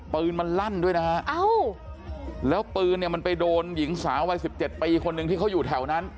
ปืนมันลั่นด้วยนะฮะแล้วปืนเนี่ยมันไปโดนหญิงสาววัย๑๗ปีคนหนึ่งที่เขาอยู่แถวนั้น